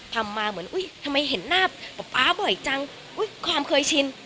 ทำมาเหมือนอุ้ยทำไมเห็นหน้าป๊าป๊าบ่อยจังอุ้ยความเคยชิน